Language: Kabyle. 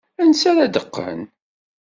Ansa ara ddɣen?